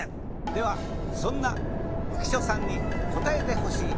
ではそんな浮所さんに答えてほしい。